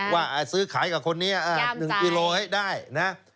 ว่าซื้อขายกับคนนี้๑กิโลให้ได้นะ